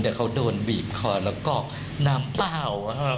แต่เขาโดนบีบคอแล้วกรอกน้ำเปล่า